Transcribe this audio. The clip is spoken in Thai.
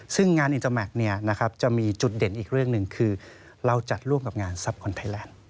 ซึ่งงานอินเตอร์แมคจะมีจุดเด่นอีกเรื่องหนึ่งคือเราจัดร่วมกับงานซับคนไทยแลนด์